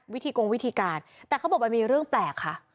วิธีกงวิธีการแต่เขาบอกมันมีเรื่องแปลกค่ะ